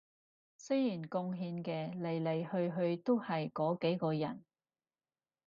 雖然貢獻嘅來來去去都係嗰幾個人